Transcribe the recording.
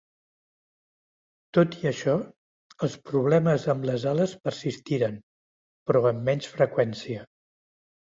Tot i això, els problemes amb les ales persistiren, però amb menys freqüència.